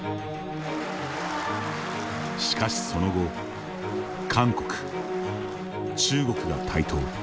しかしその後韓国中国が台頭。